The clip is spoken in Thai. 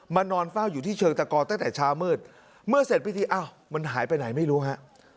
นอนเฝ้าอยู่ที่เชิงตะกอตั้งแต่เช้ามืดเมื่อเสร็จพิธีอ้าวมันหายไปไหนไม่รู้ฮะ